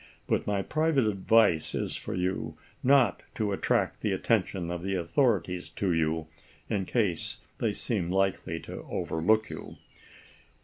But my private advice is for you not to attract the attention of the authorities to you in case they seem likely to overlook you."